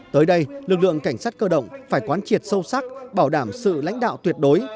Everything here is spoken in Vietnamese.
tới đây lực lượng cảnh sát cơ động phải quán triệt sâu sắc bảo đảm sự lãnh đạo tuyệt đối